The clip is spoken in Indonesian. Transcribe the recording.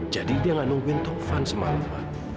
jadi dia gak nungguin taufan semalam